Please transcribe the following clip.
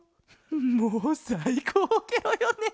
もうさいこうケロよね。